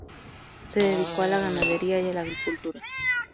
Se dedicó a la ganadería y a la agricultura.